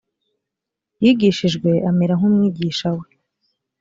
yigishijwe amera nk umwigisha we